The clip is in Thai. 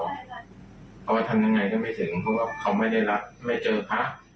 เพราะว่าทำยังไงก็ไม่ถึงเพราะว่าเขาไม่ได้รับไม่เจอพระ